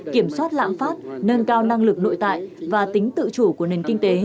kiểm soát lãm phát nâng cao năng lực nội tại và tính tự chủ của nền kinh tế